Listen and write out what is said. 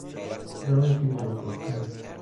رازی را گفتن